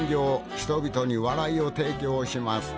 人々に笑いを提供します。